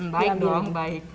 baik dong baik